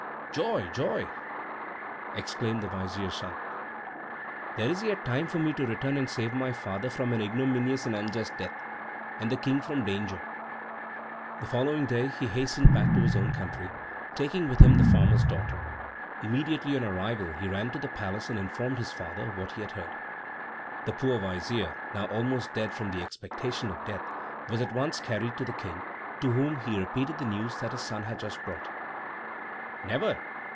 "Joy, joy!" exclaimed the vizier's son. "There is yet time for me to return and save my father from an ignominious and unjust death, and the king from danger." The following day he hastened back to his own country, taking with him the farmer's daughter. Immediately on arrival he ran to the palace and informed his father of what he had heard. The poor vizier, now almost dead from the expectation of death, was at once carried to the king, to whom he repeated the news that his son had just brought. "Never!"